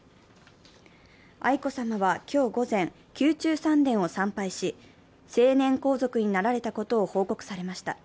愛子さまは今日午前、宮中三殿を参拝し、成年皇族になられたことを報告されました。